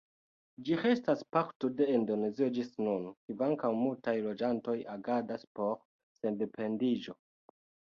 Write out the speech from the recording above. Ĝi restas parto de Indonezio ĝis nun, kvankam multaj loĝantoj agadas por sendependiĝo.